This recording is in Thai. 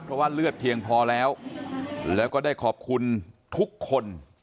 เพราะว่าเลือดเพียงพอแล้วแล้วก็ได้ขอบคุณทุกคน